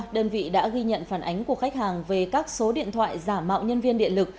đơn vị đã ghi nhận phản ánh của khách hàng về các số điện thoại giả mạo nhân viên điện lực